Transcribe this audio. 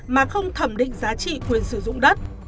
mà không thẩm định giá trị quyền sử dụng đất